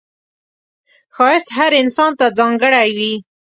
ښایست هر انسان ته ځانګړی وي